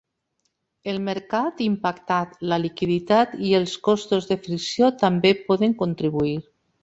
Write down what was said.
El mercat impactat, la liquiditat i els costos de fricció també poden contribuir.